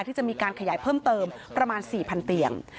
ที่จะมีการขยายเพิ่มเติมประมาณ๔๐๐๐เตียง